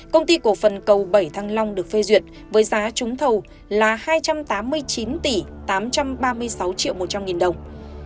công ty cổ phần cầu bảy thăng long được phê duyệt với giá trúng thầu là hai trăm tám mươi chín tỷ tám trăm ba mươi sáu triệu một trăm linh nghìn đồng